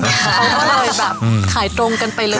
เขาก็เลยแบบขายตรงกันไปเลย